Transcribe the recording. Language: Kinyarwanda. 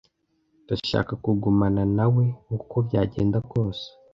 Ndashaka kugumana nawe uko byagenda kose.